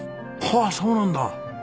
はあそうなんだ。